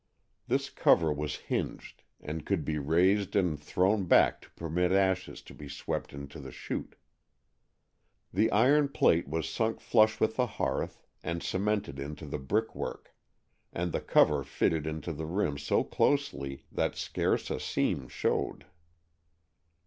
This cover was hinged, and could be raised and thrown back to permit ashes to be swept into the chute. The iron plate was sunk flush with the hearth and cemented into the brick work, and the cover fitted into the rim so closely that scarce a seam showed.